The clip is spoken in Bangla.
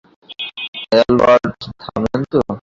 আলবার্ট, থামেন তো।